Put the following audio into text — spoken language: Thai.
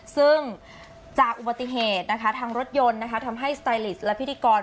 ซึ่งจากอุบัติเหตุนะคะทางรถยนต์ทำให้สไตลิสและพิธีกร